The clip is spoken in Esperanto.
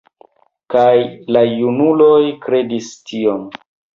Kaj la junuloj kredis tion.